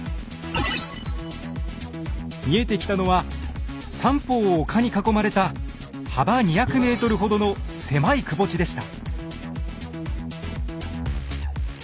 見えてきたのは三方を丘に囲まれた幅２００ｍほどの狭いくぼ地でした。